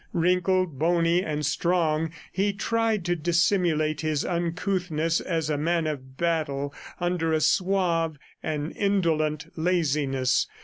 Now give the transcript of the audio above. Wrinkled, bony and strong, he tried to dissimulate his uncouthness as a man of battle under a suave and indolent laziness.